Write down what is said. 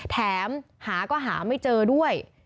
แถมหาก็หาไม่เจอด้วย